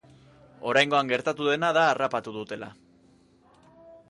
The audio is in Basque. Oraingoan gertatu dena da harrapatu dutela.